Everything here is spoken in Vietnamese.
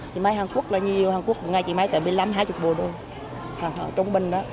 chị máy hàn quốc là nhiều hàn quốc một ngày chị máy tầm một mươi năm hai mươi bộ đô trung bình đó